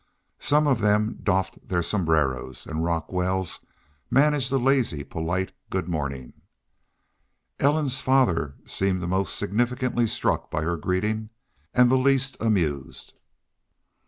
Some of them doffed their sombreros, and Rock Wells managed a lazy, polite good morning. Ellen's father seemed most significantly struck by her greeting, and the least amused.